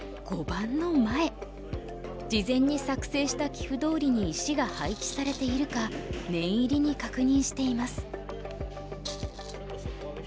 事前に作成した棋譜どおりに石が配置されているか念入りに確認しています。